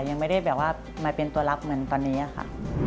ยังไม่ได้แบบว่ามาเป็นตัวลับเหมือนตอนนี้ค่ะ